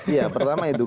ya pertama itu